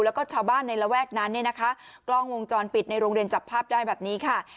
แล้วก็ชาวบ้านในระแวกนั้นเนี่ยนะคะกล้องวงจรปิดในโรงเรียนจับภาพได้แบบนี้ค่ะ